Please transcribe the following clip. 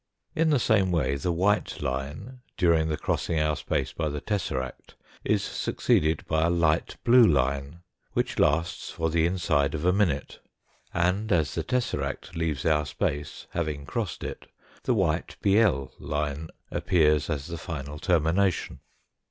In the same way the white line, during the crossing our space by the tesseract, is succeeded by a light blue line which lasts for the inside of a minute, and as the tesseract leaves our space, having crossed it, the white bl. line appears as the final termination.